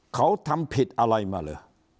เขาทำผิดอะไรมาเหรอ